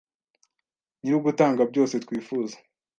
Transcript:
nyir’ugutanga byose twifuza